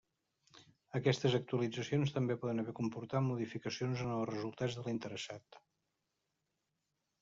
Aquestes actualitzacions també poden haver comportat modificacions en els resultats de l'interessat.